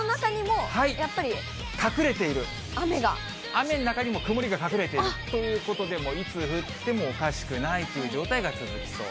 雨の中にも曇りが隠れている、ということで、もういつ降ってもおかしくないという状態が続きそう。